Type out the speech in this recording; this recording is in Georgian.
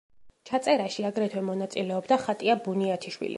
ჩაწერაში აგრეთვე მონაწილეობდა ხატია ბუნიათიშვილი.